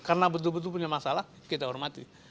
karena betul betul punya masalah kita hormati